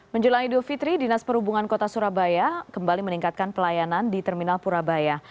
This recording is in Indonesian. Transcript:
menjelang idul fitri dinas perhubungan kota surabaya kembali meningkatkan pelayanan di terminal purabaya